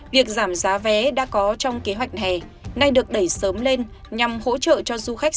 việc giảm giá vé đã có trong kế hoạch hè nay được đẩy sớm lên nhằm hỗ trợ cho du khách